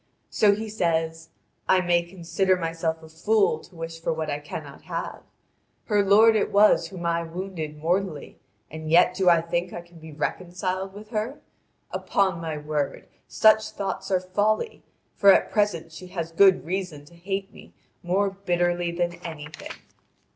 So he says: "I may consider myself a fool to wish for what I cannot have. Her lord it was whom I wounded mortally, and yet do I think I can be reconciled with her? Upon my word, such thoughts are folly, for at present she has good reason to hate me more bitterly than anything.